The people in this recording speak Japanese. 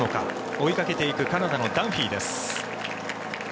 追いかけていくカナダのダンフィーです。